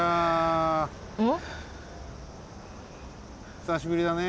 ひさしぶりだね。